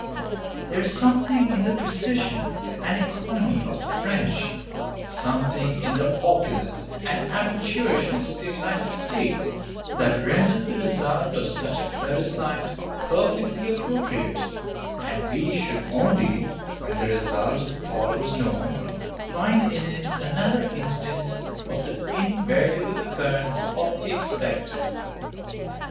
There is something in the precision and economy of the French, something in the opulence and amateurishness of the United States that renders the result of such a plebiscite perfectly appropriate, and we should only, when the result of the poll was known, find in it another instance of the invariable occurrence of the expected.